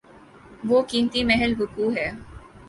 وہ قیمتی محل وقوع ہے۔